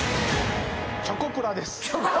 チョコプラです。